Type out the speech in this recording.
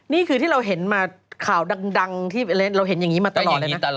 นี่คือที่เราเห็นมาข่าวดังที่เราเห็นอย่างนี้มาตลอดเลยนะ